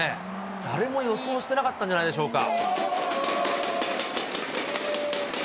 誰も予想してなかったんじゃないでしょうか。